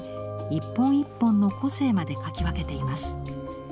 一本一本の個性まで描き分けています。